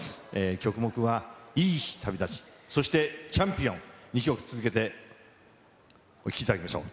曲目はいい日旅立ち、そしてチャンピオン、２曲続けてお聴きいただきましょう。